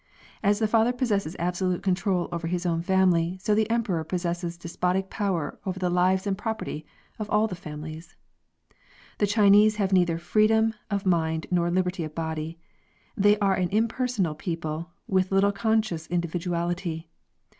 As the father pos sesses absolute control over his own family, so the emperor possesses despotic power over the lives and property of all the families. The Chinese have neither freedom of mind nor liberty of body. They are an impersonal people with little conscious individuality.